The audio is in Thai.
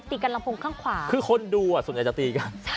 กันลำโพงข้างขวาคือคนดูอ่ะส่วนใหญ่จะตีกัน